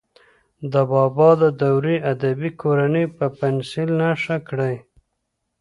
د بابا د دورې ادبي کورنۍ په پنسل نښه کړئ.